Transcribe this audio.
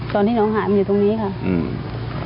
ตอนที่น้องหายมันอยู่ตรงนี้ค่ะอืม